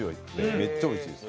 めっちゃおいしいです。